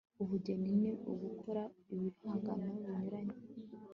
ubugeni ni ugukora ibihangano binyuranye